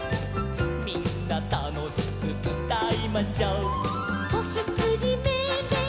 「みんなたのしくうたいましょ」「こひつじメエメエ